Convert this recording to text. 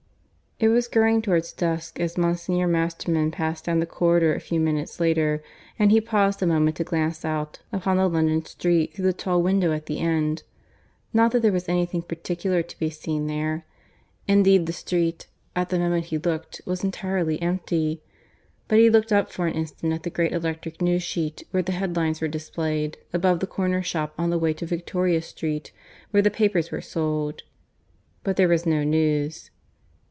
It was growing towards dusk as Monsignor Masterman passed down the corridor a few minutes later; and he paused a moment to glance out upon the London street through the tall window at the end. Not that there was anything particular to be seen there; indeed the street, at the moment he looked, was entirely empty. But he looked up for an instant at the great electric news sheet where the headlines were displayed, above the corner shop on the way to Victoria Street where the papers were sold. But there was no news.